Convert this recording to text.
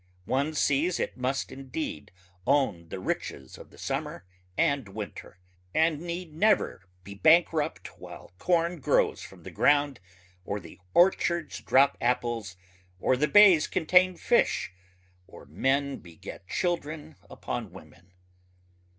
One sees it must indeed own the riches of the summer and winter, and need never be bankrupt while corn grows from the ground or the orchards drop apples or the bays contain fish or men beget children upon women.